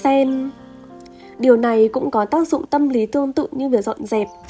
điều này cũng có tác dụng tâm lý tương tự như việc dọn dàng điều này cũng có tác dụng tâm lý tương tự như việc dọn dàng